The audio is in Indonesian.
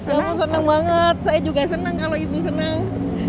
aku senang banget saya juga senang kalau ibu senang